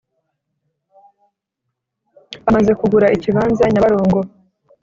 amaze kugura ikibanza nyabarongo.